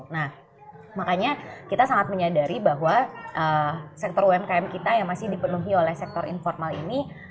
nah makanya kita sangat menyadari bahwa sektor umkm kita yang masih dipenuhi oleh sektor informal ini